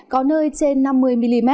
có nơi trên năm mươi mm